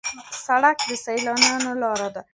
سړک د سیلانیانو لاره ده.